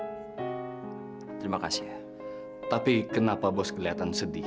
hai terima kasih ya tapi kenapa bos kelihatan sedih